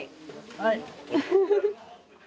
はい。